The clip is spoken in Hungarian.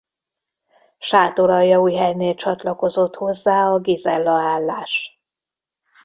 Sátoraljaújhelynél csatlakozott hozzá a Gizella-állás.